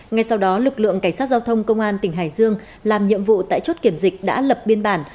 ngay sau đó lực lượng cảnh sát giao thông công an tỉnh hải dương làm nhiệm vụ tại chốt kiểm dịch đã lập biên bản